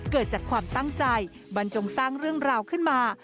เกิดจากความตั้งใจบรรจงสร้างเรื่องราวขึ้นมา